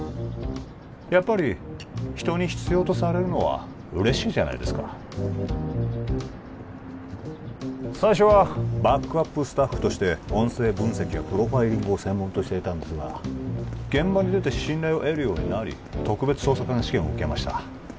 やっぱり人に必要とされるのは嬉しいじゃないですか最初はバックアップスタッフとして音声分析やプロファイリングを専門としていたんですが現場に出て信頼を得るようになり特別捜査官試験を受けました